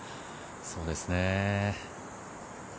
そうですね。